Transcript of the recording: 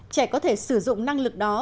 trẻ có thể sử dụng năng lực đó